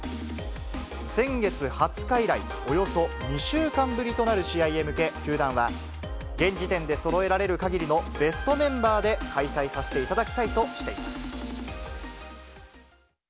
先月２０日以来、およそ２週間ぶりとなる試合へ向け、球団は、現時点でそろえられるかぎりのベストメンバーで開催させていただ